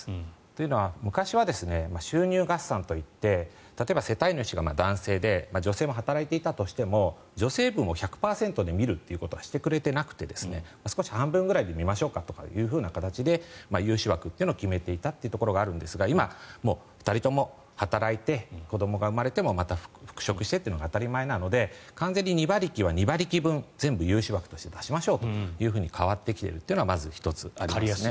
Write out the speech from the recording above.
というのは昔は収入合算といって例えば、世帯主が男性で女性も働いていたとしても女性分を１００％で見るということはしてくれていなくて少し半分ぐらいで見ましょうかという形で融資枠というのを決めていたところがあるんですが今、２人とも働いて子どもが生まれてもまた復職してというのが当たり前なので完全に２馬力は２馬力分全部融資枠として出しましょうと変わってきているというのがまず１つあります。